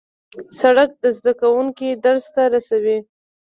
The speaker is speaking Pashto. سړک زدهکوونکي درس ته رسوي.